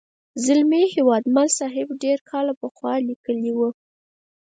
زلمي هیوادمل صاحب ډېر کاله پخوا لیکلې وه.